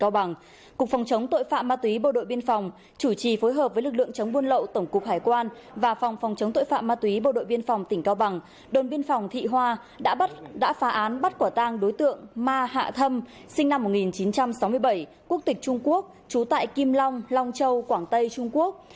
cao bằng cục phòng chống tội phạm ma túy bộ đội biên phòng chủ trì phối hợp với lực lượng chống buôn lậu tổng cục hải quan và phòng phòng chống tội phạm ma túy bộ đội biên phòng tỉnh cao bằng đồn biên phòng thị hoa đã phá án bắt quả tang đối tượng ma hạ thâm sinh năm một nghìn chín trăm sáu mươi bảy quốc tịch trung quốc trú tại kim long long châu quảng tây trung quốc